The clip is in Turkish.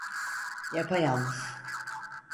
Yapayalnız.